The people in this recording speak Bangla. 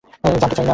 জানতে চাই না।